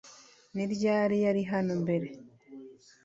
Ni ryari yari hano mbere